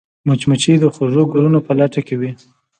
مچمچۍ د خوږو ګلونو په لټه کې وي